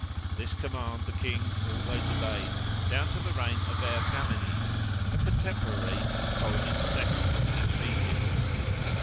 This command the kings always obeyed down to the reign of Ergamenes, a contemporary of Ptolemy II., King of Egypt.